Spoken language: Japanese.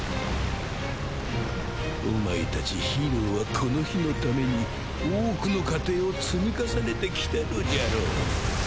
おまえ達ヒーローはこの日のために多くの過程を積み重ねてきたのじゃろう。